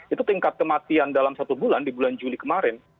itu tingkat kematian dalam satu bulan di bulan juli kemarin